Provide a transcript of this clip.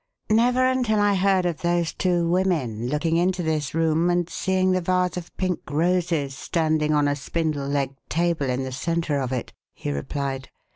"Never until I heard of those two women looking into this room and seeing the vase of pink roses standing on a spindle legged table in the centre of it," he replied.